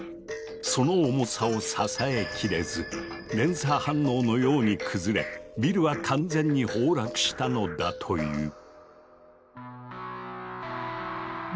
その重さを支えきれず連鎖反応のように崩れビルは完全に崩落したのだという。